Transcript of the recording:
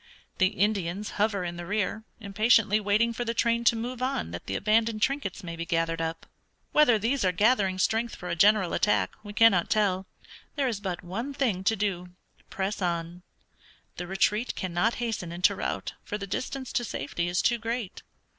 The Indians hover in the rear, impatiently waiting for the train to move on that the abandoned trinkets may be gathered up. Whether these are gathering strength for a general attack we cannot tell. There is but one thing to do press on. The retreat cannot hasten into rout, for the distance to safety is too great.